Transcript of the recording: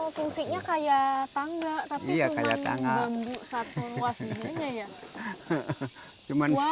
oh fungsinya kayak tangga tapi cuma bambu satu ruas